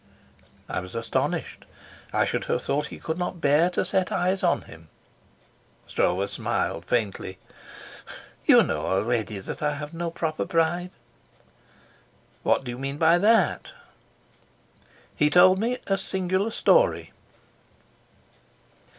I was astonished. I should have thought he could not bear to set eyes on him. Stroeve smiled faintly. "You know already that I have no proper pride." "What do you mean by that?" He told me a singular story.